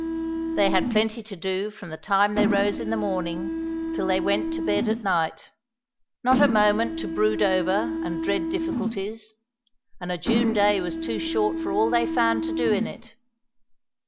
They had plenty to do from the time they rose in the morning till they went to bed at night; not a moment to brood over and dread difficulties; and a June day was too short for all they found to do in it.